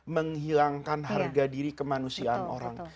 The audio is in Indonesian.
menghilangkan harga diri kemanusiaan orang